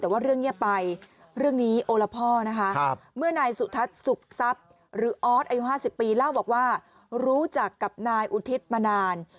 แต่ว่าเรื่องเงียบไปเรื่องนี้โอละพ่อนะคะเมื่อนายสุทัศน์สุขทรัพย์หรือออสอายุ๕๐ปีเล่าบอกว่ารู้จักกับนายอุทิศมานาน